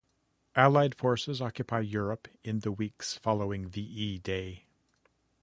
Allied forces occupy Europe in the weeks following V-E Day.